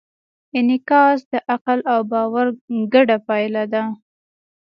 انعکاس د عقل او باور ګډه پایله ده.